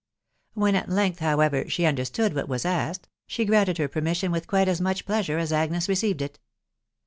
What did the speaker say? When at length, however, she understood what was. asked, she granted her permission with quite as much pleasure as Agnes received it.